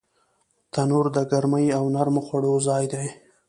تنور د ګرمۍ او نرمو خوړو ځای دی